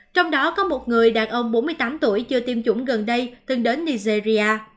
trong đó có một người đàn ông bốn mươi tám tuổi chưa tiêm chủng gần đây từng đến nigeria